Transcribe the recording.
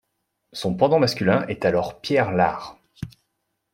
Son pendant masculin est alors Pierre Lard.